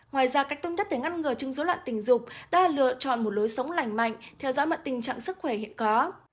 ngoài ra cách tuân thất để ngăn ngừa chứng dấu loạn tình dục đã lựa chọn một lối sống lành mạnh theo dõi mặt tình trạng sức khỏe hiện có